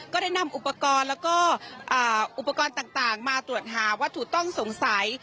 ได้นำอุปกรณ์แล้วก็อุปกรณ์ต่างมาตรวจหาวัตถุต้องสงสัย